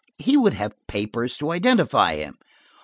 He would have papers to identify him."